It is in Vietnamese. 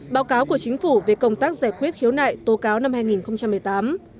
báo cáo của chính phủ về công tác giải quyết khiếu nại tố cáo năm hai nghìn một mươi tám